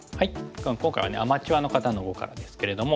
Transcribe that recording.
今回はアマチュアの方の碁からですけれども。